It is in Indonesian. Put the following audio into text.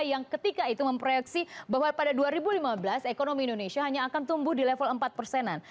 yang ketika itu memproyeksi bahwa pada dua ribu lima belas ekonomi indonesia hanya akan tumbuh di level empat persenan